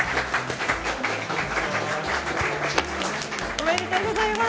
おめでとうございます！